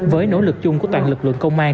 với nỗ lực chung của toàn lực lượng công an